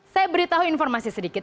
saya beritahu informasi sedikit